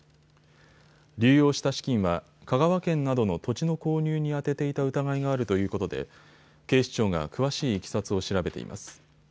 流用した資金は香川県などの土地の購入に充てていた疑いがあるということで警視庁が詳しいいきさつを調べています。